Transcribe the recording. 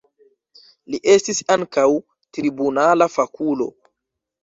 Li estis ankaŭ tribunala fakulo.